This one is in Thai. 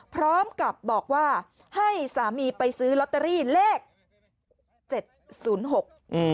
พร้อมกับบอกว่าให้สามีไปซื้อลอตเตอรี่เลขเจ็ดศูนย์หกอืม